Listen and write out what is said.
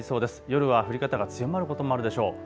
夜は降り方が強まることもあるでしょう。